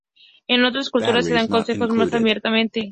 En otras culturas se dan consejos más abiertamente.